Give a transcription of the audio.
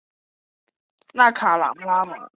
电磁辐射的频率与观察者的参考系有关。